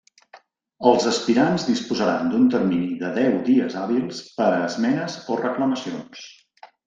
Els aspirants disposaran d'un termini de deu dies hàbils per a esmenes o reclamacions.